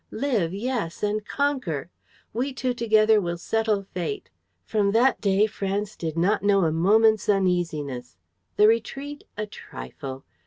Live, yes, and conquer! We two together will settle fate. From that day, France did not know a moment's uneasiness. The retreat? A trifle.